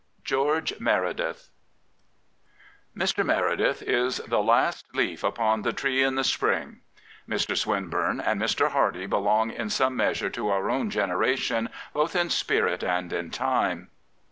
44 GEORGE MEREDITH Mr. Meredith is *'the last leaf upon the tree in the spring/' Mr, Swinburne and Mr. Hardy belong in some measure to our own generation, both in spirit and in time.